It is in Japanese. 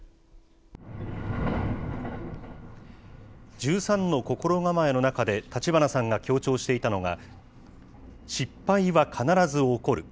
１３の心構えの中で、立花さんが強調していたのが、失敗は必ず起こる。